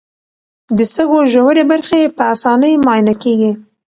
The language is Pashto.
د سږو ژورې برخې په اسانۍ معاینه کېږي.